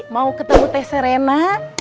mau ketemu teh serena